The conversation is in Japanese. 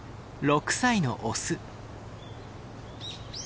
６歳のオス。